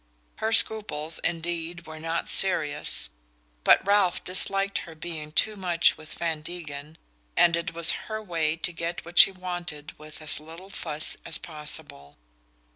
Her scruples, indeed, were not serious; but Ralph disliked her being too much with Van Degen, and it was her way to get what she wanted with as little "fuss" as possible.